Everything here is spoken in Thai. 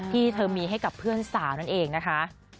ที่เธอมีให้กับเพื่อนสาวนั่นเองนะคะ